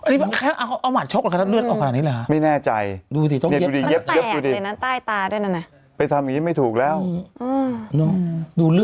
คิดว่าแค่วัดชกเขาเอาแค่นั่นเลือดออกแบบนี้เลยหรอ